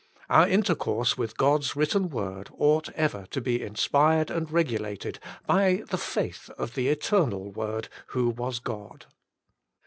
Our intercourse with God's written word ought ever to be inspired and regu lated by the faith of the Eternal Word, who was God.